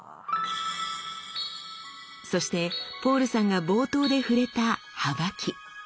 そしてポールさんが冒頭で触れたはばき。